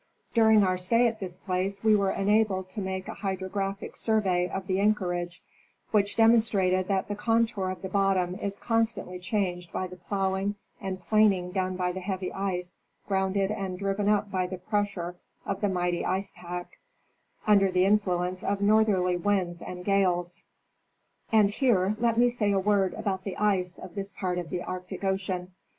During our stay at this place we were enabled to make a hydrographic survey of the anchorage, which demonstrated that the contour of the bottom is constantly changed by the ploughing and planing done by the heavy ice grounded and driven up by the pressure of the mighty ice pack, under the influence of northerly winds and gales. And here let me say a word about the ice of this part of the Arctic ocean.